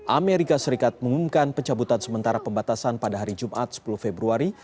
amerika serikat mengumumkan pencabutan sementara pembatasan pada hari jumat sepuluh februari